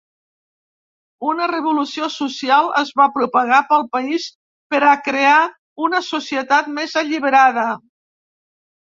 Una revolució social es va propagar pel país per a crear una societat més alliberada.